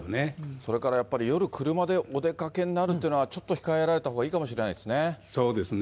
それからやっぱり夜、車でお出かけになるっていうのは、ちょっと控えられたほうがいいかもしれないですね。